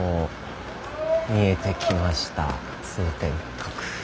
見えてきました通天閣。